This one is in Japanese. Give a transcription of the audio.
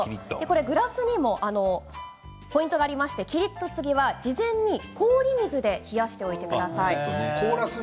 グラスにもポイントがありましてキリっとつぎは事前に氷水で冷やしておいてください。